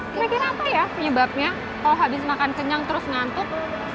kira kira apa ya penyebabnya kalau habis makan kenyang terus ngantuk